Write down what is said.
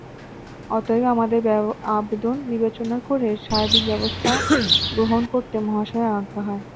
অতএব, আমাদের আবেদন বিবেচনা করে সার্বিক ব্যবস্থা গ্রহণ করতে মহাশয়ের আজ্ঞা হয়।